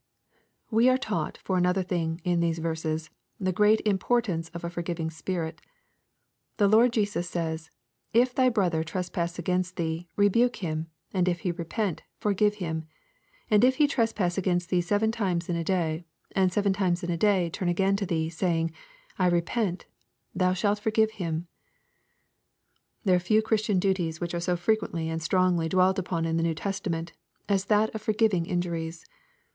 We are taught, for another thing, in these verses, the great importance of a forgiving spirit. The Lord Jesus says, " if thy brother trespass against thee, rebuke him, and if he repent, forgive him : and if he trespass against thee seven times in a day, and seven times in a day turn again to thee, saying, I repent, thou shalt forgive him." There are few Christian duties which are so frequently and strongly dwelt upon in the New Testament as this of forgiving injuries.